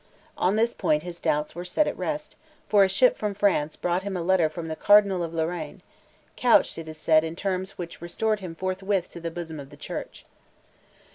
On this point his doubts were set at rest; for a ship from France brought him a letter from the Cardinal of Lorraine, couched, it is said, in terms which restored him forthwith to the bosom of the Church.